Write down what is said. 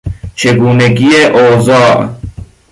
چگونگی اوضاع